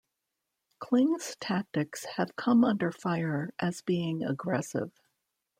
Kling's tactics have come under fire as being aggressive.